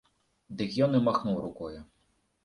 Дык ён і махнуў рукою.